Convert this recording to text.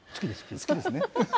好きですね？